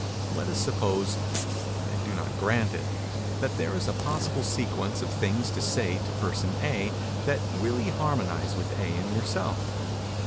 Let us suppose I do not grant it that there is a possible sequence of things to say to the person A that really harmonise with A and yourself.